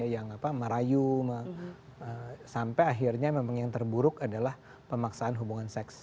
yang merayu sampai akhirnya memang yang terburuk adalah pemaksaan hubungan seks